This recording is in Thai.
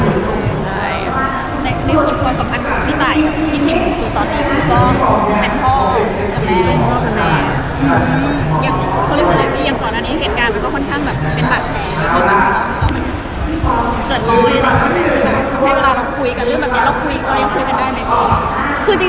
ตอนเมื่อเราคุยกันเรื่องแบบแบบนี้เราคุยกันได้ไหม